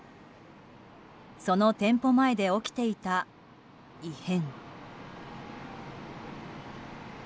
その店舗前で起きていた異変。